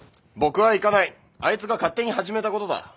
僕は行かないあいつが勝手に始めたことだ。